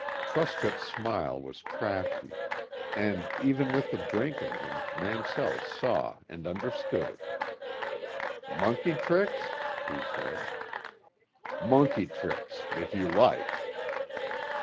Truscott's smile was crafty. And, even with the drink in him, Mansell saw and understood it. "Monkey tricks?" he said. "Monkey tricks if you like."